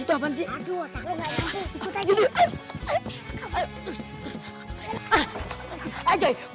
aduh takut gak nyamping